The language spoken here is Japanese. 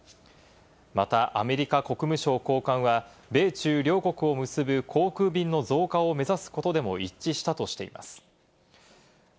またアメリカ国務省高官は、米中両国を結ぶ航空便の増加を目指すことでも、一致したとしています。